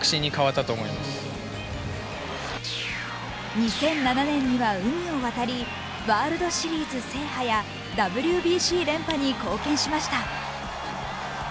２００７年には海を渡りワールドシリーズ制覇やＷＢＣ連覇に貢献しました。